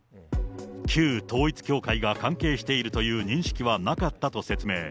旧統一教会が関係しているという認識はなかったと説明。